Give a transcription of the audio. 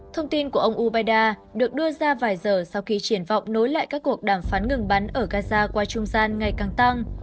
thông tin của ông ubada được đưa ra vài giờ sau khi triển vọng nối lại các cuộc đàm phán ngừng bắn ở gaza qua trung gian ngày càng tăng